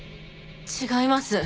違います。